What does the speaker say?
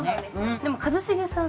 でも一茂さん